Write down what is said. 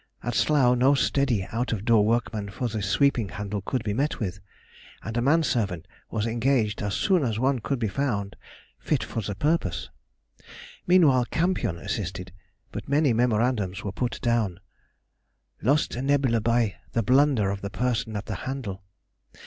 At Slough no steady out of door workman for the sweeping handle could be met with, and a man servant was engaged as soon as one could be found fit for the purpose. Meanwhile Campion assisted, but many memorandums were put down: "Lost a neb. by the blunder of the person at the handle."